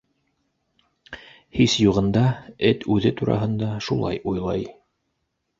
Һис юғында, эт үҙе тураһында шулай уйлай.